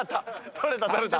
取れた取れた。